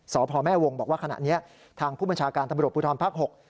สพแม่วงบอกว่าขณะนี้ทางผู้บัญชาการตำรวจภูทรภาค๖